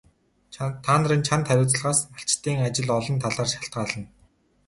Та нарын чанд хариуцлагаас малчдын ажил олон талаар шалтгаална.